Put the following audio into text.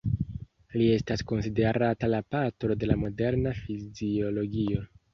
Li estas konsiderata la patro de la moderna fiziologio.